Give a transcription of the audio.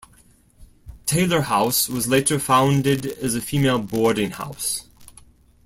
Taylor house was later founded as a female boarding house.